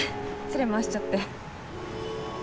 連れ回しちゃって。